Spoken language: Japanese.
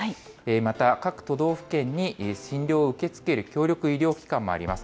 また各都道府県に診療を受け付ける協力医療機関もあります。